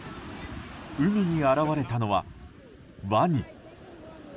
海に現れたのはワニ。